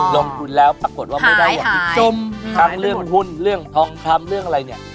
ลงทุนแล้วปรากฏว่าไม่ได้หวังพลิกชมทั้งเรื่องหุ้นเรื่องทองคำเรื่องอะไรเนี่ย